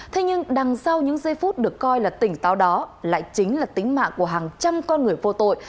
thế nhưng đằng sau những giây phút được coi là tỉnh táo đó lại chính là tính mạng của hàng trăm con người vô tội